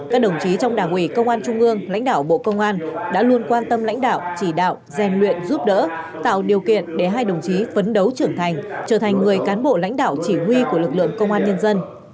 các đồng chí trong đảng ủy công an trung ương lãnh đạo bộ công an đã luôn quan tâm lãnh đạo chỉ đạo rèn luyện giúp đỡ tạo điều kiện để hai đồng chí phấn đấu trưởng thành trở thành người cán bộ lãnh đạo chỉ huy của lực lượng công an nhân dân